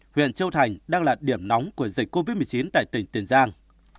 huyện châu thành đang là điểm nóng của dịch covid một mươi chín tại tỉnh tiền giang